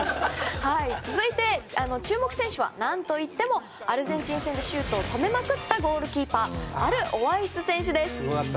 続いて、注目選手は何といってもアルゼンチン戦シュートを止めまくったゴールキーパーのアルオワイス選手です。